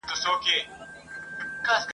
که چا پوښتنه درڅخه وکړه !.